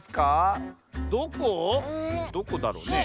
どこだろうね？